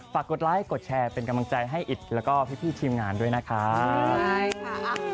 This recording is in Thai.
ฝากกดไลค์กดแชร์เป็นกำลังใจให้อิทธิ์และพี่ทีมงานด้วยนะครับ